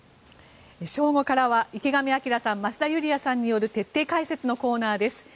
正午からは池上彰さん増田ユリヤさんによる徹底解説のコーナーです。